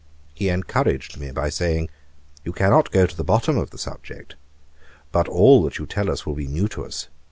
He encouraged me by saying, 'You cannot go to the bottom of the subject; but all that you tell us will be new to us.